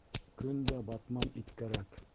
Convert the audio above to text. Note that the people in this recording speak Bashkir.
Көн дә батман ит кәрәк.